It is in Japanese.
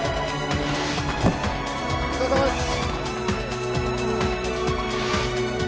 お疲れさまです。